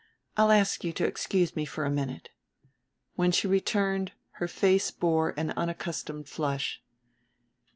I'll ask you to excuse me for a minute." When she returned her face bore an unaccustomed flush.